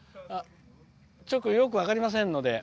ちょっとよく分かりませんので。